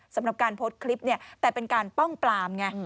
สำหรับการโพสต์คลิปเนี่ยแต่เป็นการป้องปลามไง